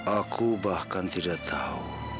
aku bahkan tidak tahu